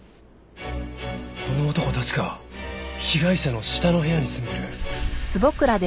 この男確か被害者の下の部屋に住んでる。